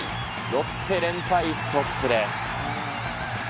ロッテ、連敗ストップです。